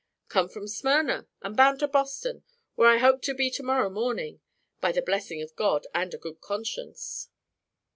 "Come from Smyrna, and bound to Boston, where I hope to be to morrow morning, by the blessing of God, and a good conscience."